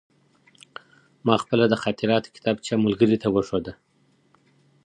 ما خپله د خاطراتو کتابچه ملګري ته وښوده.